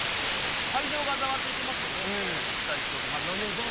会場がざわついてますのでお伝えしときます。